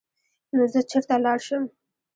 نو زۀ چرته لاړ شم ـ